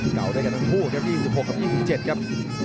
เก่าได้กับทั้งคู่๒๖๒๗ครับ